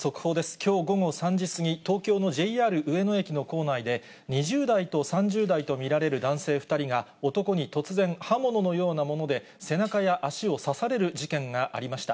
きょう午後３時過ぎ、東京のＪＲ上野駅の構内で、２０代と３０代と見られる男性２人が、男に突然、刃物のようなもので背中や足を刺される事件がありました。